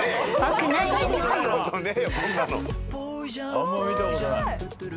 あんま見たことない。